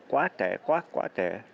quá trẻ quá quá trẻ